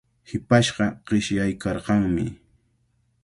Hipashqa qishyaykarqanmi.